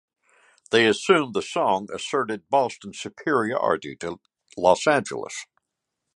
They assumed the song asserted Boston's superiority to Los Angeles.